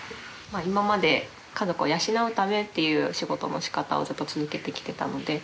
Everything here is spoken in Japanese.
今まで家族を養うためっていう仕事の仕方をずっと続けてきていたので。